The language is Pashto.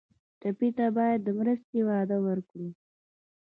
ټپي ته باید د مرستې وعده وکړو.